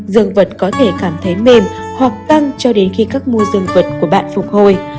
dương vật có thể cảm thấy mềm hoặc căng cho đến khi các mô dương vật của bạn phục hồi